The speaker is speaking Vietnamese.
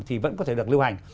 thì vẫn có thể được lưu hành